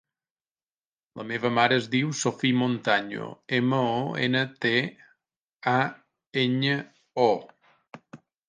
La meva mare es diu Sophie Montaño: ema, o, ena, te, a, enya, o.